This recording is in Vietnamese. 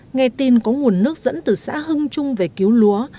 nghe tin có nguồn nước dẫn từ xã hưng trung về cứu lúa